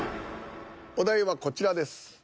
お題はこちらです。